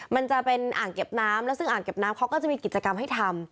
มันจะเป็นอ่างเก็บน้ำแล้วซึ่งอ่างเก็บน้ำเขาก็จะมีกิจกรรมให้ทำ